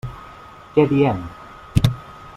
Què diem?